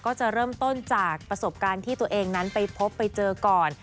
ก็จะเริ่มต้นจากประสบการณ์ที่ตัวเองนั้นไปพบไปเจอก่อน